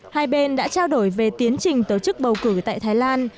hai bên đã trao đổi về tiến trình tổ chức bầu cử tại thái lan